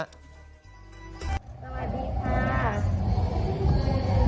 สวัสดีค่ะ